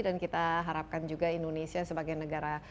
dan kita harapkan juga indonesia sebagai negara